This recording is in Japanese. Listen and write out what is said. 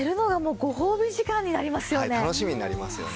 楽しみになりますよね。